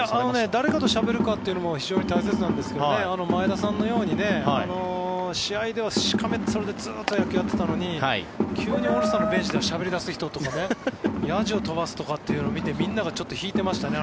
誰かとしゃべるかというのも非常に大切なんですけど前田さんのように試合ではしかめっ面でずっと野球をやってたのに急にオールスターのベンチでしゃべり出す人とかやじを飛ばすというのを見てみんながちょっと引いていましたね